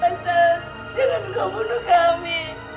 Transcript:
masa jangan membunuh kami